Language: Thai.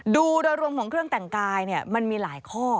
ดูโดยรวมของเครื่องแต่งกายมันมีหลายข้อ